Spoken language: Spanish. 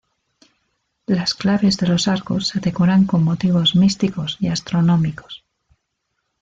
Las claves de los arcos se decoran con motivos místicos y astronómicos.